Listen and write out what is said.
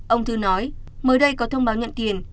ông thư nói mới đây có thông báo nhận tiền